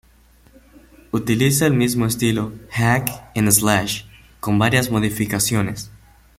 Utiliza el mismo estilo "hack and slash", con varias modificaciones.